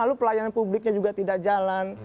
lalu pelayanan publiknya juga tidak jalan